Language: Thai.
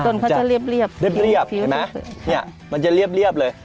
ต้นเขาจะเรียบเรียบเรียบเรียบเห็นไหมค่ะเนี่ยมันจะเรียบเรียบเลย